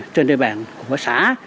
trên đề bàn của xã